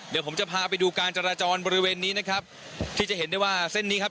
เดี๋ยวผมจะพาไปดูการจราจรบริเวณนี้นะครับที่จะเห็นได้ว่าเส้นนี้ครับ